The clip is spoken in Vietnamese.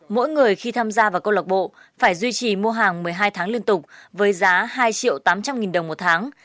mỗi người khi tham gia vào câu lạc bộ phải duy trì mua hàng một mươi hai tháng liên tục với giá hai triệu tám trăm linh nghìn đồng một tháng